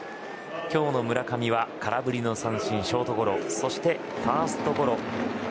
今日の村上は空振り三振、ショートゴロそしてファーストゴロ。